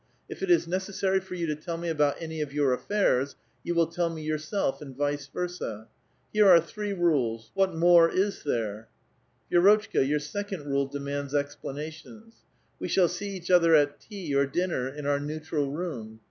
If it is necessary for you to tell me about any of your affairs, vou will tell me yourself, and vice versa. Here are three rules. ^Vhat more more is there?" '•' Vi^rotchka, your second rule demands explanations. We shall see each other at tea or dinner in our neutral room.